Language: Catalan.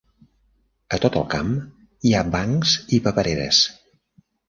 A tot el camp hi ha bancs i papereres.